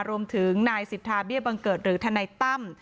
รวมถึงนายสิทธาเบี้ยบังเกิดหรือทนายตั้ม